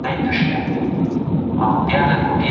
ژوند د وچې ونې په څېر په خاموشۍ کې تېرېږي.